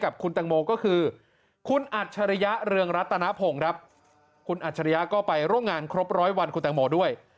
คุณอัจฉริยะเรืองรัตนาโผงคุณอัจฉริยะก็ไปร่วมงานครบร้อยวันคุณตังโมด้วย